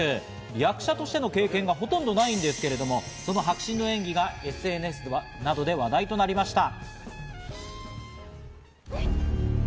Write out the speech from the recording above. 役者としての経験がほとんどないんですけど、その迫真の演技がＳＮＳなどで話題となりました。